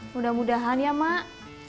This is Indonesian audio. mudah mudahan ya mak